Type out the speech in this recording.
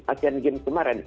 asean games kemarin